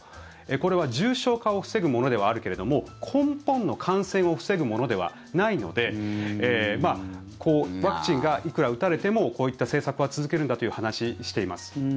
これは重症化を防ぐものではあるけれども根本の感染を防ぐものではないのでワクチンがいくら打たれてもこういった政策は続けるんだという話をしています。